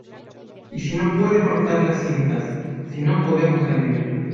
¿ y si no puede cortar las cintas, si no podemos salir?